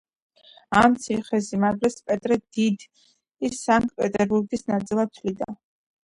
ამ ციხესიმაგრეს პეტრე დიდი სანქტ-პეტერბურგის ნაწილად თვლიდა.